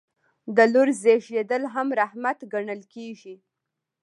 د لور زیږیدل هم رحمت ګڼل کیږي.